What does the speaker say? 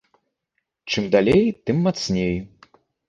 Чым далей, тым мацней.